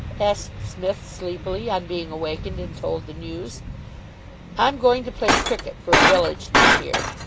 asked Psmith, sleepily, on being awakened and told the news. "I'm going to play cricket, for a village near here.